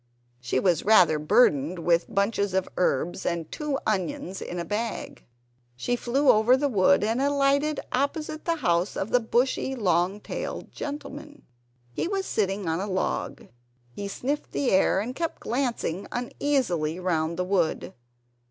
She was rather burdened with bunches of herbs and two onions in a bag. She flew over the wood, and alighted opposite the house of the bushy long tailed gentleman. He was sitting on a log; he sniffed the air and kept glancing uneasily round the wood.